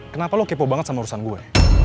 kenapa lo kepo banget sama urusan gue